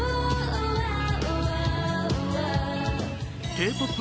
Ｋ−ＰＯＰ